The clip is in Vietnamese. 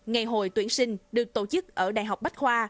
ngày hội tuyển sinh được tổ chức ở đại học bách khoa